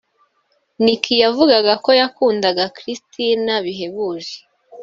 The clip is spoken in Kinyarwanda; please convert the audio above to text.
Nick yavugaga ko yakundaga Kristina bihebuje